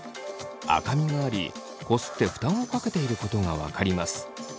赤みがありこすって負担をかけていることが分かります。